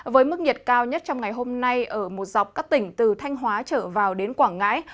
với mức nhiệt cao nhất trong ngày hôm nay ở một dọc các tỉnh từ thanh hóa trở vào đến quảng ngãi